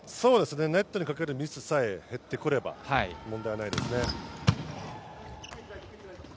ネットにかけるミスさえ減ってくれば問題ないですね。